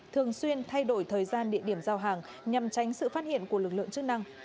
thường xuyên thay đổi thời gian địa điểm giao hàng nhằm tránh sự phát hiện của lực lượng chức năng